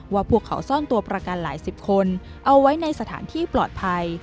พวกเขาซ่อนตัวประกันหลายสิบคนเอาไว้ในสถานที่ปลอดภัย